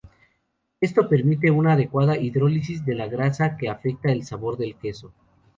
Esto permite una adecuada hidrólisis de la grasa, que afecta al sabor del queso.